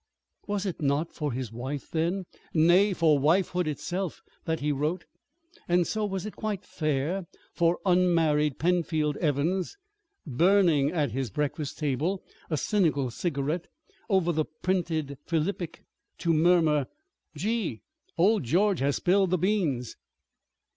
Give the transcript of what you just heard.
Was it not for his wife, then; nay, for wifehood itself, that he wrote? And so, was it quite fair for unmarried Penfield Evans, burning at his breakfast table a cynical cigarette over the printed philippic, to murmur, "Gee! old George has spilled the beans!"